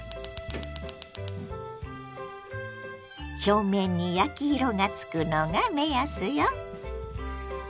表面に焼き色がつくのが目安よ。